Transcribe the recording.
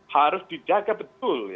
harus dijaga betul